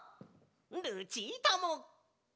ルチータも！